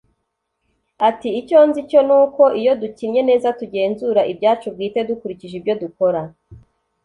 ati: icyo nzi cyo ni uko iyo dukinnye neza, tugenzura ibyacu bwite dukurikije ibyo dukora